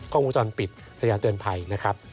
กล้องมุมจรปิดสยานเตือนภัยนะครับ